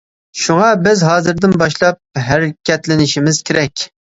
شۇڭا بىز ھازىردىن باشلاپ ھەرىكەتلىنىشىمىز كېرەك.